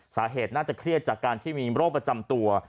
สาเหตุน่าจะเครียดจากการที่มีโรคประจำตัว